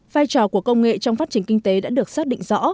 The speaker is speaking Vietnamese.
vai trò của công nghệ trong phát triển kinh tế đã được xác định rõ